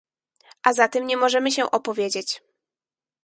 A za tym nie możemy się opowiedzieć